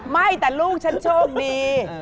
ไม่แต่ลูกฉันโชคดี